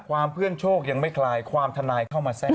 เพื่อนโชคยังไม่คลายความทนายเข้ามาแทรก